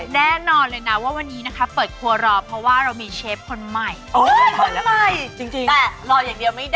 มาถึงวันนี้นี่นายชอบมากเลย